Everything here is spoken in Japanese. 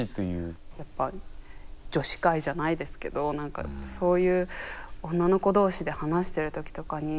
やっぱ女子会じゃないですけど何かそういう女の子同士で話してる時とかに。